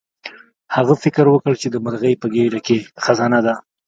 هغه فکر وکړ چې د مرغۍ په ګیډه کې خزانه ده.